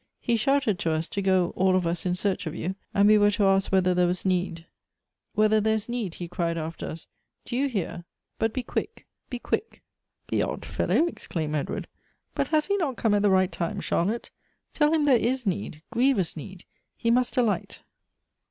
He shouted to us, to go all of us in search of you, and we were to ask whether there was need, ' whether there is need,' he cried after us, 'do you hear ? but be quick, be quick.' " "The odd fellow," exclaimed Edward. "But has he 16 Goethe's not come at the right time, Charlotte ? Tell him, there is need — grievous need. He must alight.